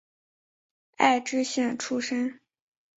爱知县出身。